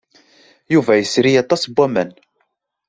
Yuba yesri aṭas n waman.